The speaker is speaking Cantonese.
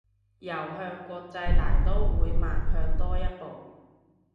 又向國際大刀會邁向多一步